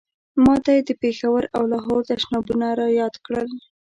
ما ته یې د پېښور او لاهور تشنابونه را یاد کړل.